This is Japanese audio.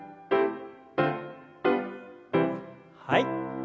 はい。